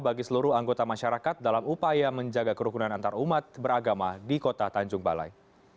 bagi seluruh anggota masyarakat dalam upaya menjaga kerukunan antarumat beragama di kota tanjung balai